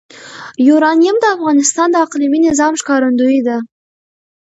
یورانیم د افغانستان د اقلیمي نظام ښکارندوی ده.